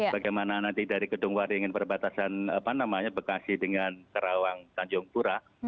bagaimana nanti dari gedung waringin perbatasan bekasi dengan kerawang tanjung pura